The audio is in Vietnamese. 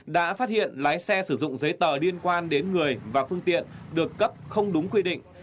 đã phát hiện lái xe sử dụng giấy tờ liên quan đến người và phương tiện được cấp không đúng quy định